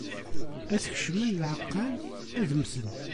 Ad t-kecmen! Lɛeqqal ad mmten.